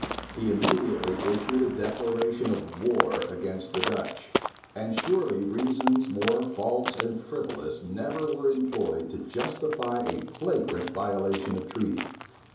He immediately issued a declaration of war against the Dutch; and surely reasons more false and frivolous never were employed to justify a flagrant violation of treaty.